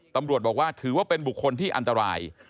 ตำรวจบอกว่าถือว่าเป็นบุคคลที่อันตราย